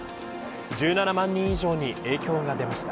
１７万人以上に影響が出ました。